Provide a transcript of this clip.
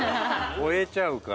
超えちゃうから。